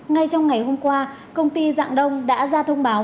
ngay trong ngày hôm qua công ty dạng đông đã ra thông báo